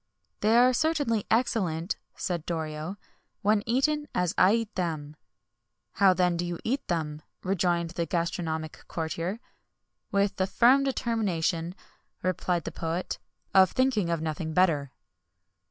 "They are certainly excellent," said Doric, "when eaten as I eat them." "How, then, do you eat them?" rejoined the gastronomic courtier. "With the firm determination," replied the poet, "of thinking of nothing better."